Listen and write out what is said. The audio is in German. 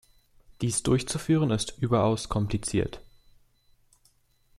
Dies durchzuführen ist überaus kompliziert.